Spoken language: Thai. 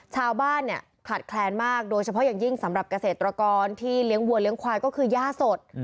ชาวบ้านเนี่ยขาดแคลนมากโดยเฉพาะอย่างยิ่งสำหรับเกษตรกรที่เลี้ยงวัวเลี้ยควายก็คือย่าสด